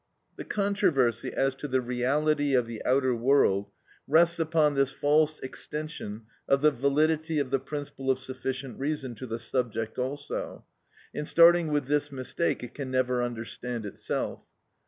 The controversy as to the reality of the outer world rests upon this false extension of the validity of the principle of sufficient reason to the subject also, and starting with this mistake it can never understand itself.